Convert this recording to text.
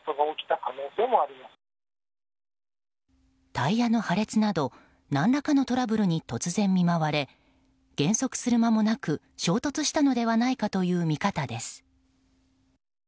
タイヤの破裂など何らかのトラブルに突然見舞われ減速する間もなく衝突したのではないかという見方です。